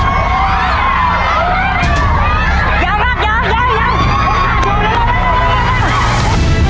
เอาแล้วขอบคุณผู้ชมช่วยกันแล้ว